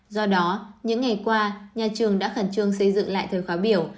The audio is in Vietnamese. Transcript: do đó những ngày qua nhà trường đã khẩn trương xây dựng lại thời khóa biểu